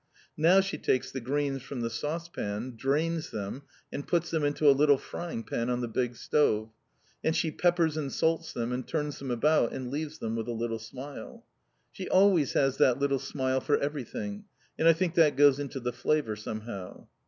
Now she takes the greens from the saucepan, drains them, and puts them into a little frying pan on the big stove; and she peppers and salts them, and turns them about, and leaves them with a little smile. She always has that little smile for everything, and I think that goes into the flavour somehow!